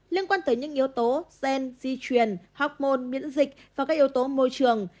liên quan tới những yếu tố gen di truyền hormone miễn dịch và các yếu tố môi trường